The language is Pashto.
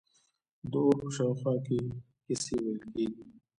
د اور په شاوخوا کې کیسې ویل کیږي.